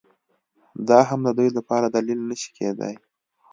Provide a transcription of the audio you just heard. دا هم د دوی لپاره دلیل نه شي کېدای